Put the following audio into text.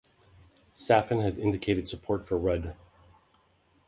Saffin had indicated support for Rudd.